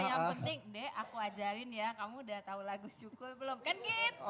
yang penting deh aku ajarin ya kamu udah tahu lagu syukur belum kan